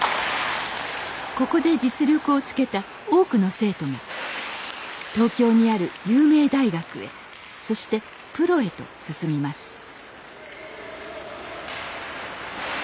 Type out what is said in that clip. ここで実力をつけた多くの生徒が東京にある有名大学へそしてプロへと進みます